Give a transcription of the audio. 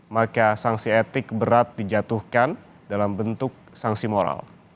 maka sanksi etik berat dijatuhkan dalam bentuk sanksi moral